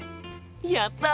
やった！